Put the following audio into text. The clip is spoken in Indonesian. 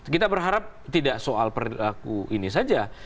kita berharap tidak soal perilaku ini saja